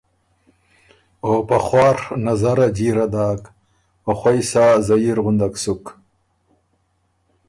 او په خواڒ نظره جیره داک او خوئ سا زهیر غنُدک سُک